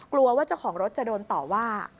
กลัวว่าเจ้าของรถจะโดนต่อว่า